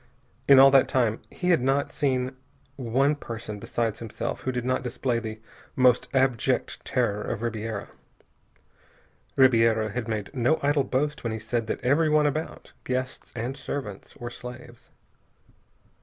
In all that time he had not seen one person besides himself who did not display the most abject terror of Ribiera. Ribiera had made no idle boast when he said that everyone about, guests and servants, were slaves.